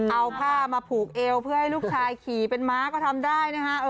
เอาผ้ามาผูกเอวเพื่อให้ลูกชายขี่เป็นม้าก็ทำได้นะฮะ